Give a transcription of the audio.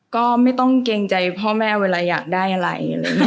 ก็ไม่ต้องเกรงใจพ่อแม่เวลาอยากได้อะไร